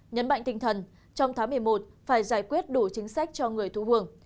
nhấn mạnh tinh thần trong tháng một mươi một phải giải quyết đủ chính sách cho người thú vườn